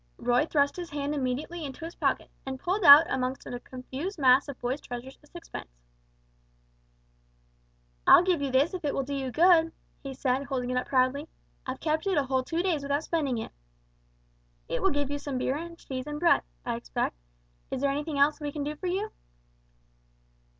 Roy thrust his hand immediately into his pocket, and pulled out amongst a confused mass of boys' treasures a sixpence. "I'll give you this if it will do you good," he said, holding it up proudly. "I've kept it a whole two days without spending it. It will give you some beer and bread and cheese, I expect. Is there anything else we can do for you?"